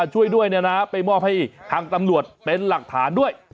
ช่วยด้วยไปมอบให้ทางตำรวจเป็นหลักฐานด้วย